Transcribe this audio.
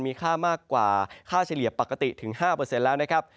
มีค่ามากกว่าค่าเฉลี่ยปกติถึง๕เปอร์เซ็นต์แล้วนะครับ